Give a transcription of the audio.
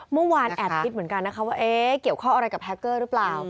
เมื่อวานแอดพิษเหมือนกันว่าเกี่ยวข้ออะไรกับแฮกเกอร์หรือเปล่า